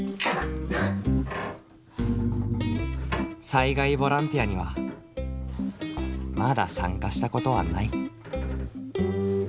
災害ボランティアにはまだ参加したことはない。